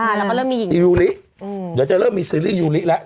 แล้วก็เริ่มมีหญิงยูริอืมเดี๋ยวจะเริ่มมีซีรีสยูริแล้ว